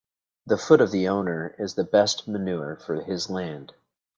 The foot of the owner is the best manure for his land